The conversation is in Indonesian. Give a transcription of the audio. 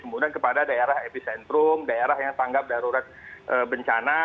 kemudian kepada daerah epicentrum daerah yang tanggap darurat bencana